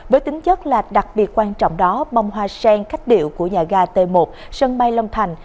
với tính chất là đặc biệt quan trọng đó bông hoa sen khách điệu của nhà ga t một sân bay long thành